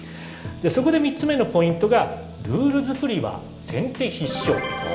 そこで３つ目のポイントが、ルール作りは先手必勝。